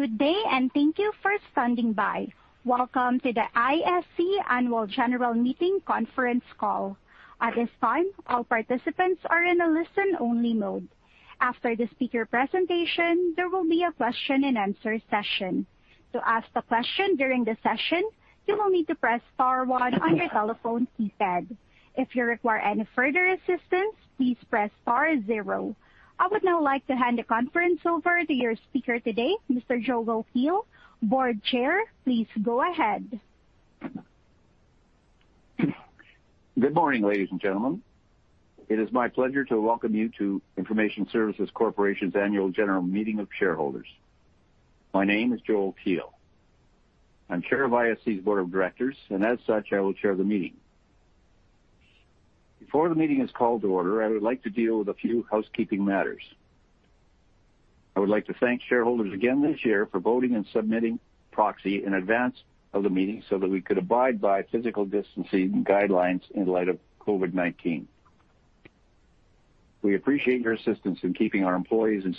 Good day and thank you for standing by. Welcome to the ISC Annual General Meeting conference calI. At this time, all participants are in a listen-only mode. After the speaker presentation, there will be a question and answer session. To ask a question during the session, you will need to press star one on your telephone keypad. If you require any further assistance, please star zero. I would now like to hand the conference over to your speaker today, Mr. Joel Teal, Board Chair. Please go ahead. Good morning, ladies and gentlemen. It is my pleasure to welcome you to Information Services Corporation's Annual General Meeting of Shareholders. My name is Joel Teal. I'm Chair of ISC's Board of Directors, and as such, I will chair the meeting. Before the meeting is called to order, I would like to deal with a few housekeeping matters. I would like to thank shareholders again this year for voting and submitting proxy in advance of the meeting so that we could abide by physical distancing guidelines in light of COVID-19. We appreciate your assistance in keeping our employees and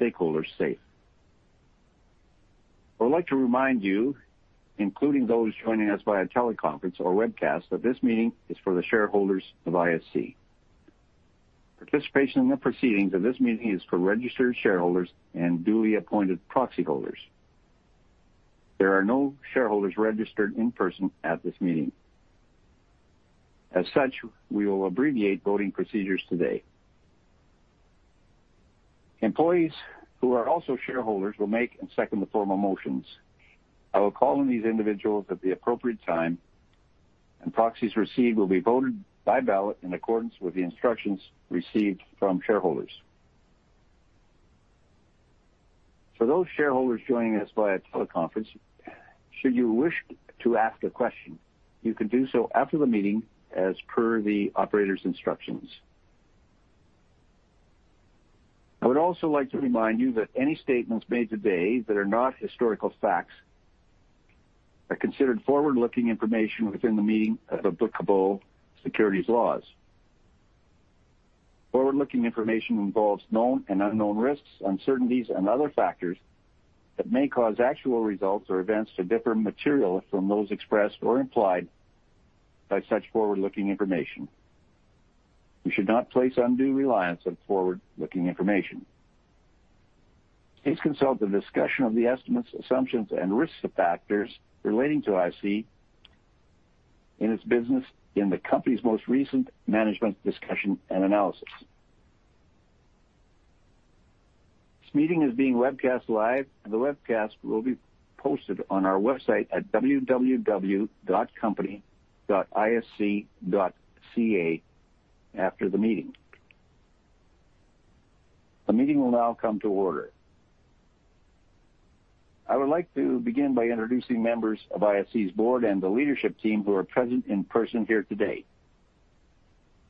stakeholders safe. I would like to remind you, including those joining us via teleconference or webcast, that this meeting is for the shareholders of ISC. Participation in the proceedings of this meeting is for registered shareholders and duly appointed proxy holders. There are no shareholders registered in person at this meeting. As such, we will abbreviate voting procedures today. Employees who are also shareholders will make and second the formal motions. I will call on these individuals at the appropriate time, and proxies received will be voted by ballot in accordance with the instructions received from shareholders. For those shareholders joining us via teleconference, should you wish to ask a question, you can do so after the meeting as per the operator's instructions. I would also like to remind you that any statements made today that are not historical facts are considered forward-looking information within the meaning of applicable securities laws. Forward-looking information involves known and unknown risks, uncertainties, and other factors that may cause actual results or events to differ materially from those expressed or implied by such forward-looking information. You should not place undue reliance on forward-looking information. Please consult the discussion of the estimates, assumptions, and risks of factors relating to ISC and its business in the company's most recent management discussion and analysis. This meeting is being webcast live. The webcast will be posted on our website at www.isc.ca after the meeting. The meeting will now come to order. I would like to begin by introducing members of ISC's board and the leadership team who are present in person here today.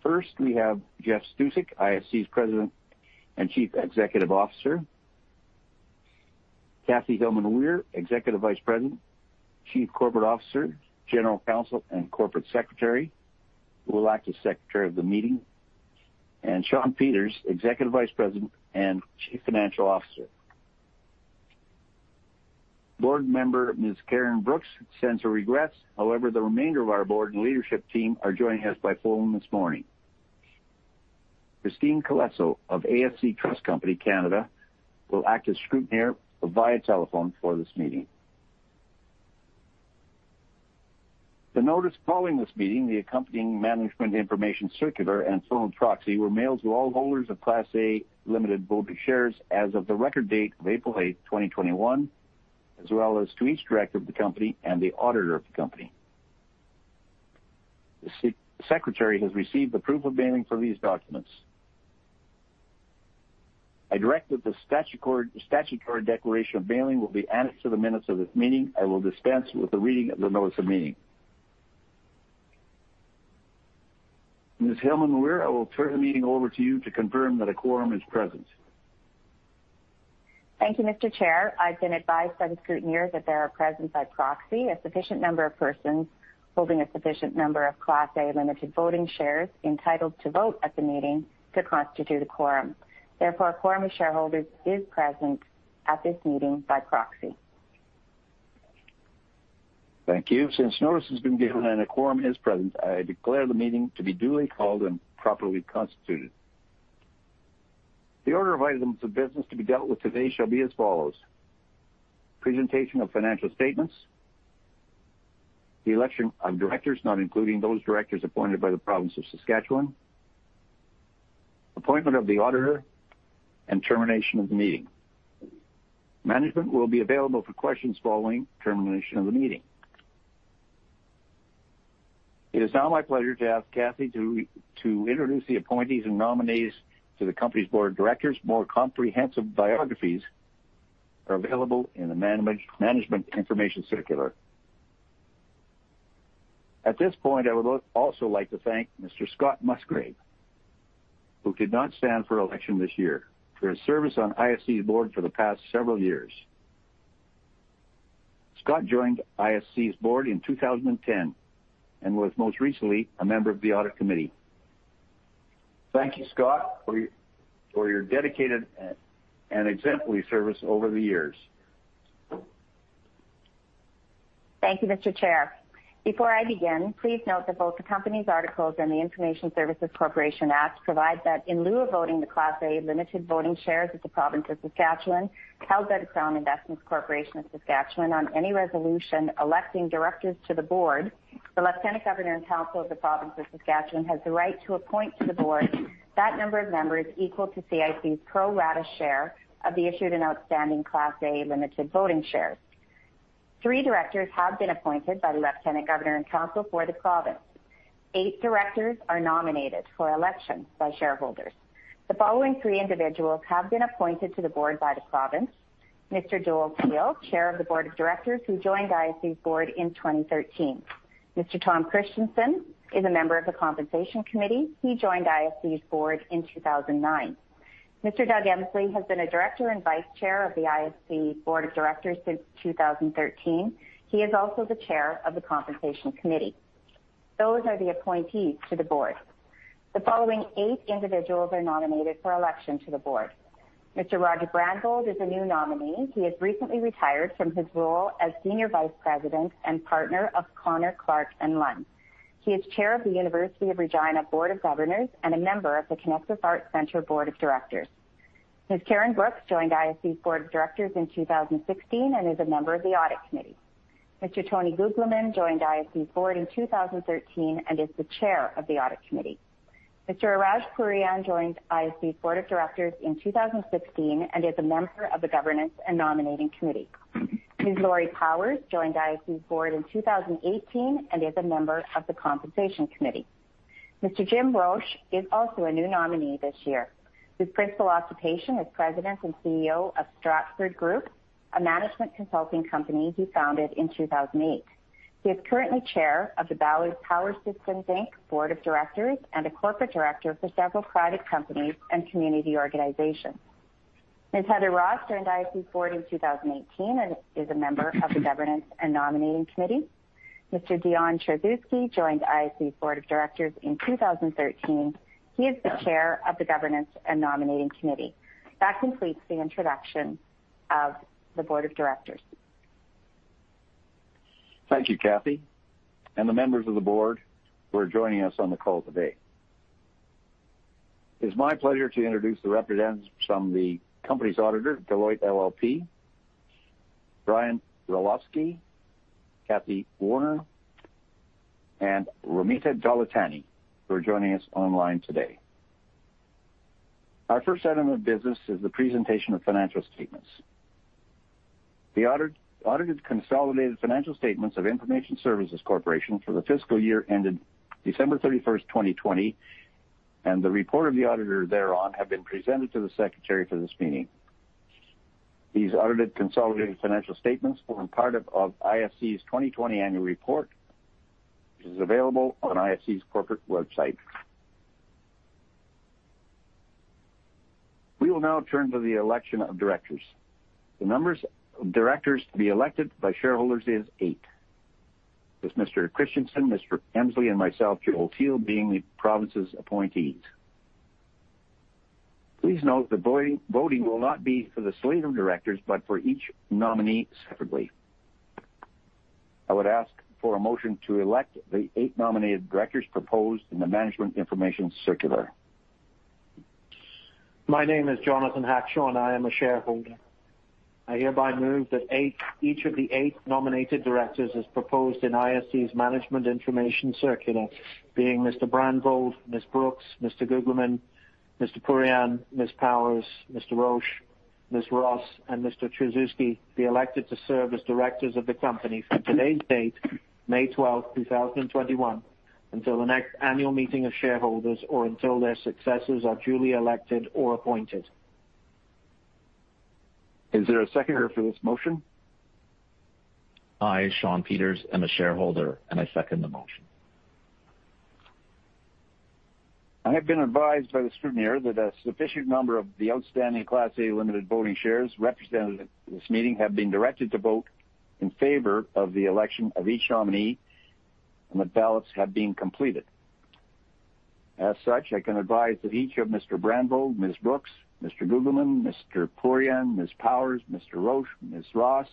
First, we have Jeff Stusek, ISC's President and Chief Executive Officer. Kathy Hillman-Weir, Executive Vice President, Chief Corporate Officer, General Counsel, and Corporate Secretary, who will act as secretary of the meeting, and Shawn Peters, Executive Vice President and Chief Financial Officer. Board member Ms. Karen Brooks sends her regrets. The remainder of our board and leadership team are joining us by phone this morning. Christine Colesso of AST Trust Company (Canada) will act as scrutineer via telephone for this meeting. The notice following this meeting, the accompanying management information circular, and form of proxy were mailed to all holders of Class A Limited Voting Shares as of the record date of April 8th, 2021, as well as to each director of the company and the auditor of the company. The secretary has received the proof of mailing for these documents. I direct that the statutory declaration of mailing will be added to the minutes of this meeting. I will dispense with the reading of the notice of meeting. Ms. Hillman-Weir, I will turn the meeting over to you to confirm that a quorum is present. Thank you, Mr. Chair. I've been advised by the scrutineer that there are present by proxy a sufficient number of persons holding a sufficient number of Class A Limited Voting Shares entitled to vote at the meeting to constitute a quorum. Therefore, a quorum of shareholders is present at this meeting by proxy. Thank you. Since notice has been given and a quorum is present, I declare the meeting to be duly called and properly constituted. The order of items of business to be dealt with today shall be as follows: presentation of financial statements, the election of Directors, not including those Directors appointed by the province of Saskatchewan, appointment of the auditor, and termination of the meeting. Management will be available for questions following termination of the meeting. It is now my pleasure to ask Kathy to introduce the appointees and nominees to the company's Board of Directors. More comprehensive biographies are available in the management information circular. At this point, I would also like to thank Mr. Scott Musgrave, who did not stand for election this year, for his service on ISC's Board for the past several years. Scott joined ISC's board in 2010 and was most recently a member of the audit committee. Thank you, Scott, for your dedicated and exemplary service over the years. Thank you, Mr. Chair. Before I begin, please note that both the company's articles and The Information Services Corporation Act provide that in lieu of voting the Class A Limited Voting Shares of the province of Saskatchewan, Telbec [inaudible] Investments Corporation of Saskatchewan, on any resolution electing directors to the board, the Lieutenant Governor in Council of the province of Saskatchewan has the right to appoint to the board that number of members equal to ISC's pro rata share of the issued and outstanding Class A Limited Voting Shares. Three directors have been appointed by the Lieutenant Governor in Council for the province. Eight directors are nominated for election by shareholders. The following three individuals have been appointed to the board by the province: Mr. Joel Teal, Chair of the Board of Directors, who joined ISC's board in 2013. Mr. Tom Christiansen is a member of the Compensation Committee. He joined ISC's board in 2009. Mr. Doug Emsley has been a Director and Vice Chair of the ISC Board of Directors since 2013. He is also the Chair of the Compensation Committee. Those are the appointees to the board. The following eight individuals are nominated for election to the board. Mr. Roger Brandvold is a new nominee. He has recently retired from his role as Senior Vice President and Partner of Connor, Clark & Lunn. He is Chair of the University of Regina Board of Governors and a member of the Conexus Arts Centre Board of Directors. Ms. Karen Brooks joined ISC's board of directors in 2016 and is a member of the Audit Committee. Mr. Tony Guglielmin joined ISC's board in 2013 and is the Chair of the Audit Committee. Mr. Iraj Pourian joined ISC's board of directors in 2016 and is a member of the governance and nominating committee. Ms. Laurie Powers joined ISC's board in 2018 and is a member of the compensation committee. Mr. Jim Roche is also a new nominee this year. His principal occupation is president and CEO of Stratford Group, a management consulting company he founded in 2008. He is currently chair of the Ballard Power Systems Inc. board of directors and a corporate director for several private companies and community organizations. Ms. Heather Ross joined ISC's board in 2018 and is a member of the governance and nominating committee. Mr. Dion Tchorzewski joined ISC's board of directors in 2013. He is the chair of the governance and nominating committee. That completes the introduction of the board of directors. Thank you, Kathy, and the members of the board who are joining us on the call today. It's my pleasure to introduce the representatives from the company's auditor, Deloitte LLP, Brian Orlowski, Cathy Warner, and Romita Jalatani, who are joining us online today. Our first item of business is the presentation of financial statements. The audited consolidated financial statements of Information Services Corporation for the fiscal year ended December 31st, 2020, and the report of the auditor thereon have been presented to the secretary for this meeting. These audited consolidated financial statements form part of ISC's 2020 annual report, which is available on ISC's corporate website. We will now turn to the election of directors. The numbers of directors to be elected by shareholders is eight, with Mr. Christiansen, Mr. Douglas Emsley, and myself, Joel Teal, being the province's appointees. Please note the voting will not be for the slate of directors, but for each nominee separately. I would ask for a motion to elect the eight nominated directors proposed in the management information circular. My name is Jonathan Hackshaw, and I am a shareholder. I hereby move that each of the eight nominated directors as proposed in ISC's management information circular, being Mr. Brandvold, Ms. Brooks, Mr. Guglielmin, Mr. Pourian, Ms. Powers, Mr. Roche, Ms. Ross, and Mr. Tchorzewski, be elected to serve as directors of the company from today's date, May 12th, 2021, until the next annual meeting of shareholders or until their successors are duly elected or appointed. Is there a seconder for this motion? I, Shawn Peters, I'm a shareholder, and I second the motion. I have been advised by the scrutineer that a sufficient number of the outstanding Class A Limited Voting Shares represented at this meeting have been directed to vote in favor of the election of each nominee, and the ballots have been completed. As such, I can advise that each of Mr. Brandvold, Ms. Brooks, Mr. Guglielmin, Mr. Pourian, Ms. Powers, Mr. Roche, Ms. Ross,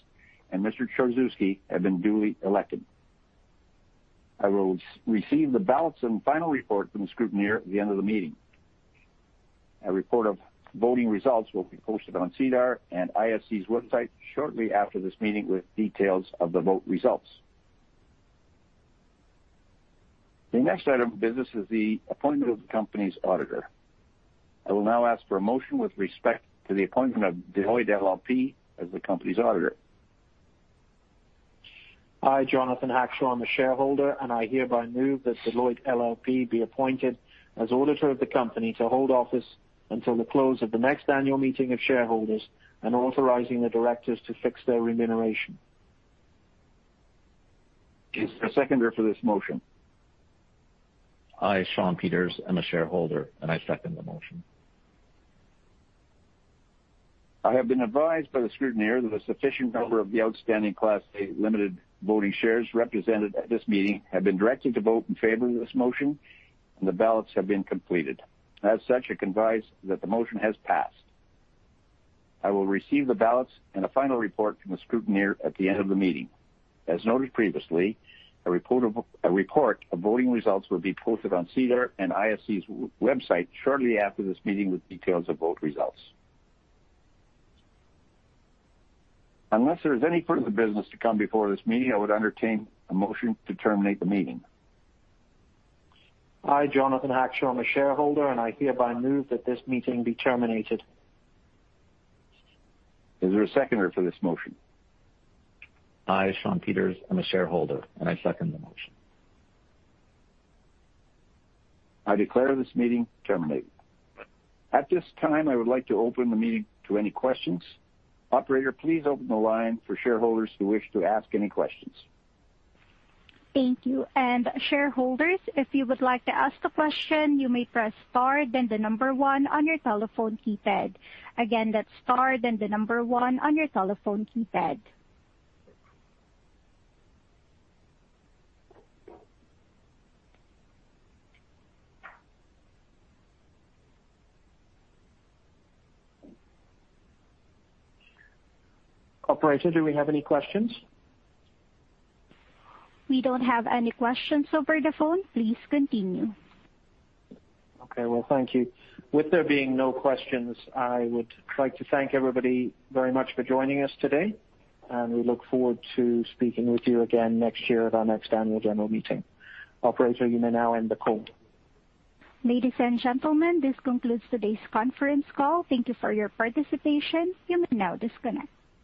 and Mr. Tchorzewski have been duly elected. I will receive the ballots and final report from the scrutineer at the end of the meeting. A report of voting results will be posted on SEDAR and ISC's website shortly after this meeting with details of the vote results. The next item of business is the appointment of the company's auditor. I will now ask for a motion with respect to the appointment of Deloitte LLP as the company's auditor. I, Jonathan Hackshaw, I'm a shareholder, and I hereby move that Deloitte LLP be appointed as auditor of the company to hold office until the close of the next annual meeting of shareholders and authorizing the directors to fix their remuneration. Is there a seconder for this motion? I, Shawn Peters, I'm a shareholder, and I second the motion. I have been advised by the scrutineer that a sufficient number of the outstanding Class A Limited Voting Shares represented at this meeting have been directed to vote in favor of this motion, and the ballots have been completed. As such, I'm advised that the motion has passed. I will receive the ballots and a final report from the scrutineer at the end of the meeting. As noted previously, a report of voting results will be posted on SEDAR+ and ISC's website shortly after this meeting with details of vote results. Unless there is any further business to come before this meeting, I would entertain a motion to terminate the meeting. I, Jonathan Hackshaw, I'm a shareholder, and I hereby move that this meeting be terminated. Is there a seconder for this motion? I, Shawn Peters, I'm a shareholder. I second the motion. I declare this meeting terminated. At this time, I would like to open the meeting to any questions. Operator, please open the line for shareholders who wish to ask any questions. Thank you. Shareholders, if you would like to ask a question, you may press star then the number one on your telephone keypad. Again, that's star then the number one on your telephone keypad. Operator, do we have any questions? We don't have any questions over the phone. Please continue. Okay. Well, thank you. With there being no questions, I would like to thank everybody very much for joining us today, and we look forward to speaking with you again next year at our next annual general meeting. Operator, you may now end the call. Ladies and gentlemen, this concludes today's conference call. Thank you for your participation. You may now disconnect.